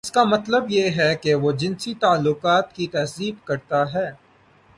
اس کا مطلب یہ ہے کہ وہ جنسی تعلقات کی تہذیب کرتا ہے۔